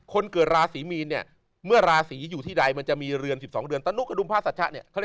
คนเกิดราศีมีนเนี่ยเมื่อราศีอยู่ที่ใดมันจะมีเรือน๑๒เดือนตะนุกระดุมพระสัชชะเนี่ย